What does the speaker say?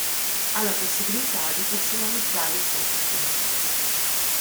Ha la possibilità di personalizzare il software.